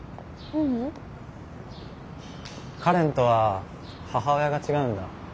香蓮とは母親が違うんだ。